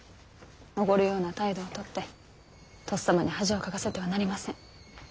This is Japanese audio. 驕るような態度をとってとっさまに恥をかかせてはなりません。